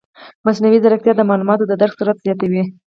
مصنوعي ځیرکتیا د معلوماتو د درک سرعت زیاتوي.